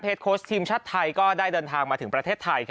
โค้ชทีมชาติไทยก็ได้เดินทางมาถึงประเทศไทย